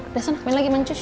udah sana main lagi mancush